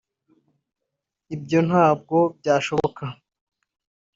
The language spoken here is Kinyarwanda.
ibyo ntabwo byashoboka